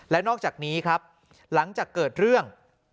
และนอกจากนี้ครับหลังจากเกิดเรื่อง